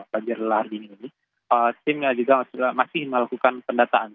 sejauh ini masih melakukan pendataan